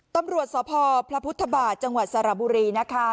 ตำรวจสพพระพุทธบาทจังหวัดสระบุรีนะคะ